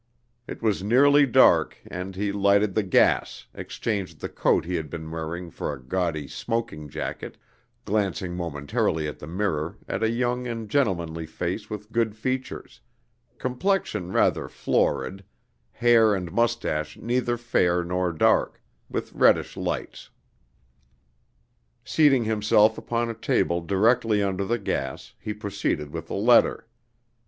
It was nearly dark, and he lighted the gas, exchanged the coat he had been wearing for a gaudy smoking jacket, glancing momentarily at the mirror, at a young and gentlemanly face with good features; complexion rather florid; hair and moustache neither fair nor dark, with reddish lights. Seating himself upon a table directly under the gas, he proceeded with the letter.